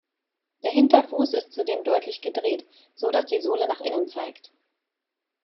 Der Hinterfuß ist zudem deutlich gedreht, so dass die Sohle nach innen zeigt.